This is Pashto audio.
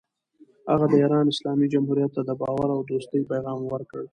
هغه د ایران اسلامي جمهوریت ته د باور او دوستۍ پیغام ورکړ.